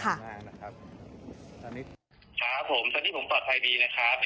ครับผมทีนี้ผมปลอดภัยดีนะครับ